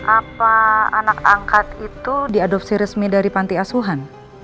apa anak angkat itu diadopsi resmi dari panti asuhan